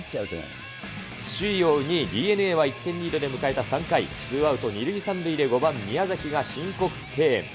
首位を追う２位ＤｅＮＡは１点リードで迎えた３回、ツーアウト２塁３塁で５番宮崎が申告敬遠。